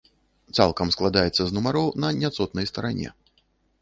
Цалкам складаецца з нумароў на няцотнай старане.